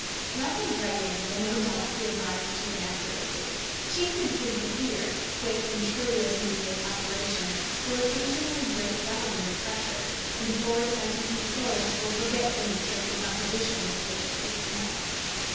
Rapid writing will no doubt give rise to inaccuracy, chiefly because the ear, quick and true as may be its operation, will occasionally break down under pressure, and, before a sentence be closed, will forget the nature of the composition with which it was commenced.